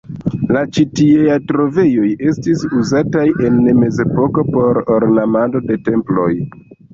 La ĉi tieaj trovejoj estis uzitaj en mezepoko por ornamado de temploj.